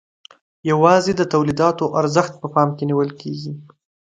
یوازې د تولیداتو ارزښت په پام کې نیول کیږي.